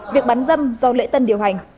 việc bắn dâm do lễ tân điều hành